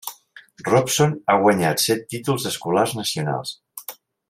Robson ha guanyat set títols escolars nacionals.